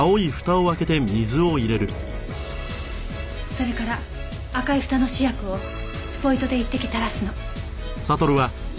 それから赤いフタの試薬をスポイトで１滴垂らすの。